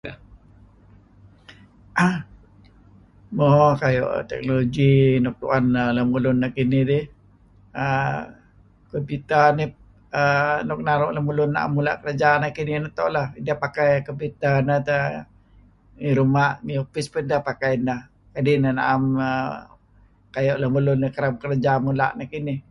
Mo kuayu' technology luk tu'en lemulun nekinih dih err computer nih err nuk naru' lemulun naru' mula' lemulun na'em kerja nekinih lah. Idah pakai computer neh deh ngi ruma' ngi upis pidah pakai inah kadi' neh na'em err lemulun kereb kerja mula' neh kinih.